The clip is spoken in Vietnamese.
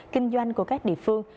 kinh doanh của các địa phương